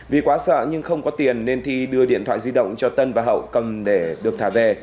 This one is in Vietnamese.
vì quá sợ nhưng không có tiền nên thi đưa điện thoại di động cho tân và hậu cầm để được thả về